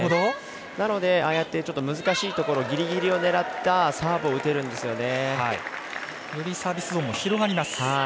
なので、ああやってちょっと難しいところギリギリを狙ったサーブを打てるんですよね。